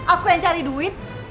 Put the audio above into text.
aku yang cari duit